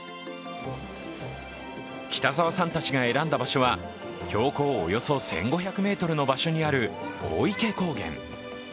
北澤さんたちが選んだ場所は標高およそ１５００ｍの場所にある大池高原。